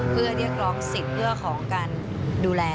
เพื่อเรียกร้องสิทธิ์เรื่องของการดูแล